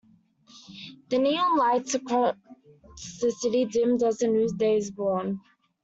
The neon lights across the city dimmed as a new day is born.